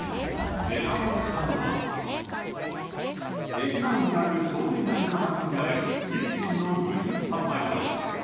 駅前にある、商店街の中にある１軒の無人販売所。